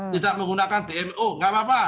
tidak menggunakan dmo nggak apa apa